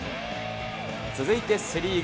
続いてセ・リーグ。